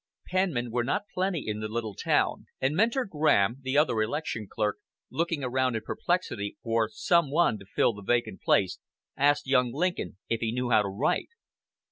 Penmen were not plenty in the little town, and Mentor Graham, the other election clerk, looking around in perplexity for some one to fill the vacant place, asked young Lincoln if he knew how to write.